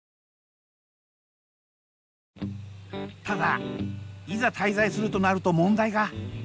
ただいざ滞在するとなると問題が。